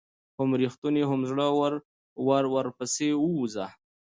هم ريښتونى هم زړه ور ورپسي ووزه